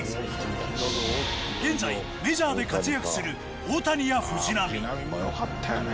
現在メジャーで活躍する大谷や藤浪。